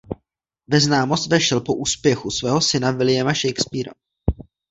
Ve známost vešel po úspěchu svého syna Williama Shakespeara.